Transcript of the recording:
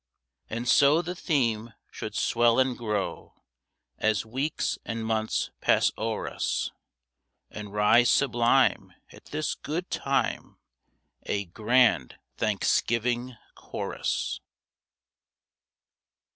And so the theme should swell and grow As weeks and months pass o'er us, And rise sublime at this good time, A grand Thanksgiving chorus.